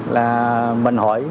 là mình hỏi